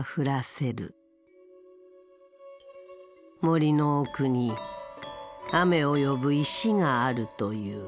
森の奥に雨を呼ぶ石があるという。